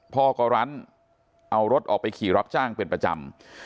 พ่อก็รันเอารถออกไปขี่รับจ้างเป็นประจำ